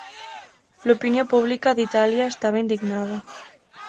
L'opinió pública d'Itàlia estava indignada.